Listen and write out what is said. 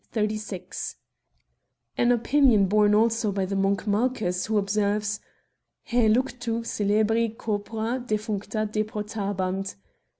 36) ; an opinion borne also by the monk Malchus, who observes, * Hae luctu celebri corpora defuncta deporta bant * (S.